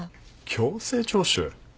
強制徴収？